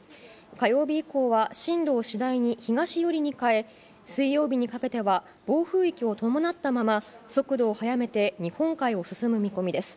火曜日以降は、進路を次第に東寄りに変え、水曜日にかけては暴風域を伴ったまま、速度を速めて日本海を進む見込みです。